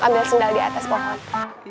ambil sendal di atas pohon